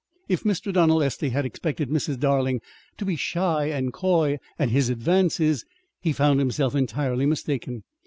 If Mr. Donald Estey had expected Mrs. Darling to be shy and coy at his advances, he found himself entirely mistaken.